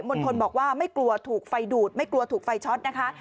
ณฑลบอกว่าไม่กลัวถูกไฟดูดไม่กลัวถูกไฟช็อตนะคะ